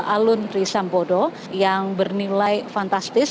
alun trisambodo yang bernilai fantastis